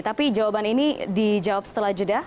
tapi jawaban ini dijawab setelah jeda